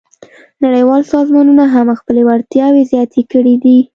نړیوال سازمانونه هم خپلې وړتیاوې زیاتې کړې دي